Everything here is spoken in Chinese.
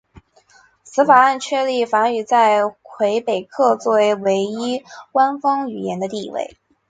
此法案确立法语在魁北克作为唯一官方语言的地位。